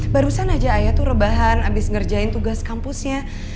barusan aja ayah tuh rebahan abis ngerjain tugas kampusnya